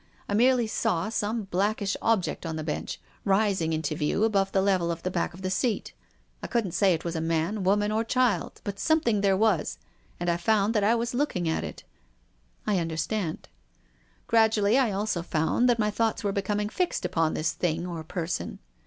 I merely saw some black ish object on tiie bench, rising into view above the level of the back of tlic seat. I couldn't say it was man, woman or cliild. But something there was, and I found that I was looking at it. " I understand." " Gradually, I also found that my thoughts were becoming fixed upon this thing or person.